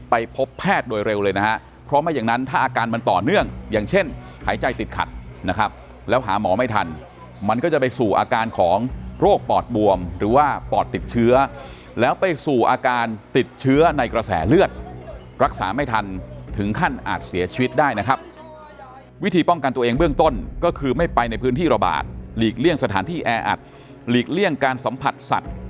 ไปพบแพทย์โดยเร็วเลยนะครับเพราะไม่อย่างนั้นถ้าอาการมันต่อเนื่องอย่างเช่นหายใจติดขัดนะครับแล้วหาหมอไม่ทันมันก็จะไปสู่อาการของโรคปอดบวมหรือว่าปอดติดเชื้อแล้วไปสู่อาการติดเชื้อในกระแสเลือดรักษาไม่ทันถึงขั้นอาจเสียชีวิตได้นะครับวิธีป้องกันตัวเองเบื้องต้นก็คือไม่ไปในพื้นท